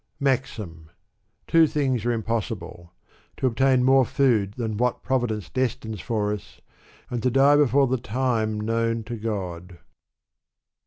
^ Two things are impossible : to obtain more food than what Providence destines for us ; and to die before the time known to God.